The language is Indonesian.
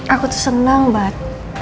aku tuh seneng banget